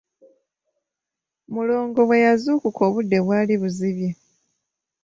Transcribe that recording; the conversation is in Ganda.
Mulongo bwe yazuukuka, obudde bwali buzibye.